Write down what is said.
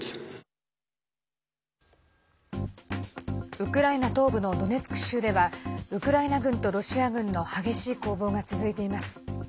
ウクライナ東部のドネツク州ではウクライナ軍とロシア軍の激しい攻防が続いています。